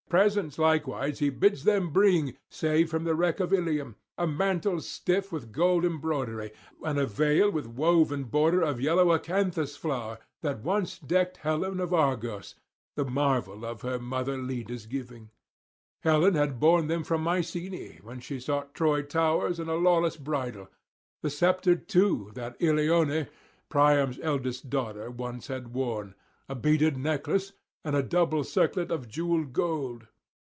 Presents likewise he bids him bring saved from the wreck of Ilium, a mantle stiff with gold embroidery, and a veil with woven border of yellow acanthus flower, that once decked Helen of Argos, the marvel of her mother Leda's giving; Helen had borne them from Mycenae, when she sought Troy towers and a lawless bridal; the sceptre too that Ilione, Priam's eldest daughter, once had worn, a beaded necklace, and a double circlet of jewelled gold.